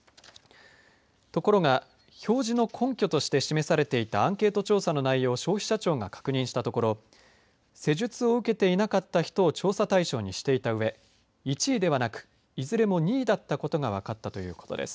ところが表示の根拠として示されていたアンケート調査の内容を消費者庁が確認しところ施術を受けていなかった人を調査対象にしていたうえ１位ではなくいずれも２位だったことが分かったということです。